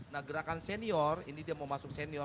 nah gerakan senior ini dia mau masuk senior